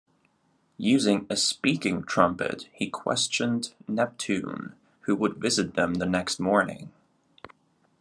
Using a speaking trumpet he questioned Neptune, who would visit them the next morning.